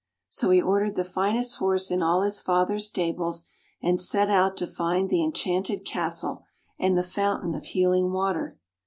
So he ordered the finest horse in all his father's stables, and set out to find the en chanted castle, and the fountain of healing water.